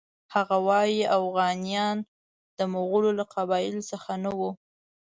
هغه وایي اوغانیان د مغولو له قبایلو څخه نه وو.